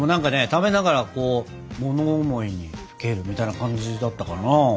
食べながらこう物思いにふけるみたいな感じだったかな。